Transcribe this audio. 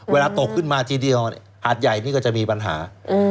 เวลาตกขึ้นมาทีเดียวหาดใหญ่นี่ก็จะมีปัญหา